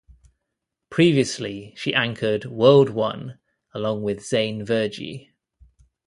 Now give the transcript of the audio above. Previously, she anchored "World One", along with Zain Verjee.